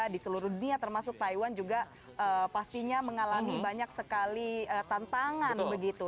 di seluruh dunia termasuk taiwan juga pastinya mengalami banyak sekali tantangan begitu